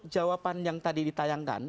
jawaban yang tadi ditayangkan